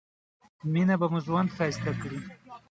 مينه به مو ژوند ښايسته کړي